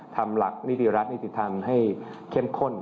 ทำหลักนิติรัฐนิติธรรมให้เข้มข้น